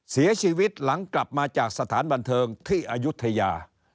เสียชีวิตหลังกลับมาจากสถานบันเทิงที่อายุทยา